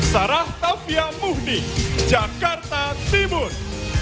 sarah tovia muhdi jakarta timur